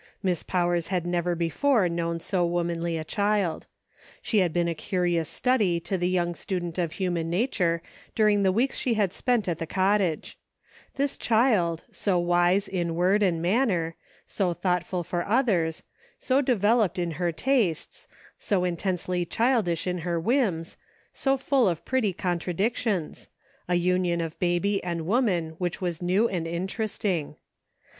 Miss Powers had never before known so womanly a child. She had been a curious study to the young student of hu man nature during the weeks she had spent at the cottage : this child, so wise in word and manner ; so thoughtful for others ; so developed in her tastes ; so intensely childish in her whims ; so full of pretty contradictions — a union of baby and woman which was new and interesting.